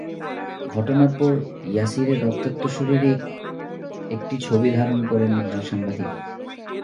ঘটনার পর ইয়াসিরের রক্তাক্ত শরীরের একটি ছবি ধারণ করেন একজন সাংবাদিক।